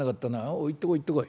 おい行ってこい行ってこい」。